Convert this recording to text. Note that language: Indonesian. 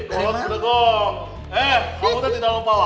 eh kamu tadi dalam pahala